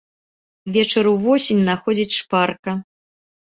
Вечар увосень находзіць шпарка.